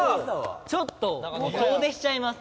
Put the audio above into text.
ちょっと遠出しちゃいます。